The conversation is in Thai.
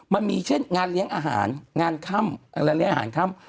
มันมีเช่นงานเลี้ยงอาหารงานค่ำอะไรเลี้ยงอาหารค่ำ